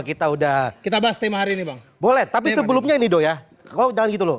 kita udah kita bahas tema hari ini bang boleh tapi sebelumnya ini doh ya oh jangan gitu loh